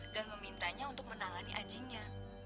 dan memintanya untuk menalani anjingnya